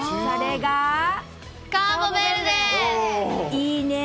いいね。